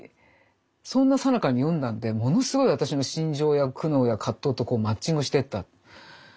そんなさなかに読んだんでものすごい私の心情や苦悩や葛藤とマッチングしてった。